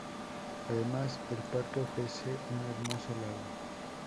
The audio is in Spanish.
Además, el parque ofrece un hermoso lago.